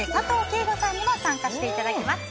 景瑚さんにも参加していただきます。